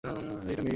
এটা মেইর রোড।